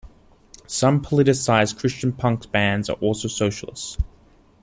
Some politicized Christian punk bands are also socialists.